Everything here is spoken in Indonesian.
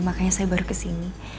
makanya saya baru kesini